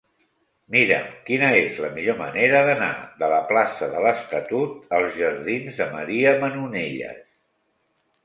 Mira'm quina és la millor manera d'anar de la plaça de l'Estatut als jardins de Maria Manonelles.